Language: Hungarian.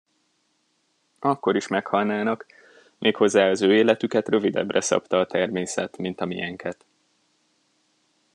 Akkor is meghalnának, méghozzá az ő életüket rövidebbre szabta a természet, mint a mienket.